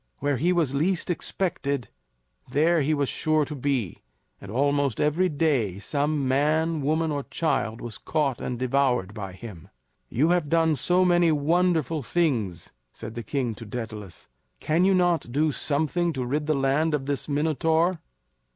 Where he was least expected, there he was sure to be; and almost every day some man, woman, or child was caught and devoured by him. "You have done so many wonderful things," said the king to Daedalus, "can you not do something to rid the land of this Minotaur?"